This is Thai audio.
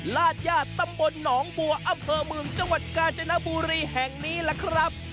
ลาดญาติตำบลหนองบัวอำเภอเมืองจังหวัดกาญจนบุรีแห่งนี้ล่ะครับ